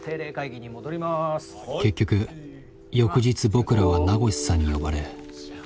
結局翌日僕らは名越さんに呼ばれ。